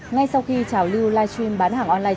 ngay sau khi trào lưu live stream bán hàng online